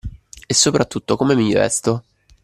E soprattutto come mi vesto?